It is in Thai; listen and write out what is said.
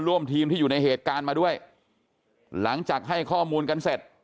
ร่วมทีมที่อยู่ในเหตุการณ์มาด้วยหลังจากให้ข้อมูลกันเสร็จ